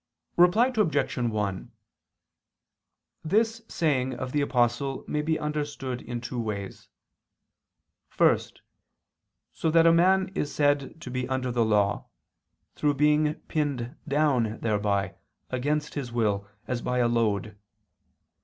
Reply Obj. 1: This saying of the Apostle may be understood in two ways. First, so that a man is said to be under the law, through being pinned down thereby, against his will, as by a load.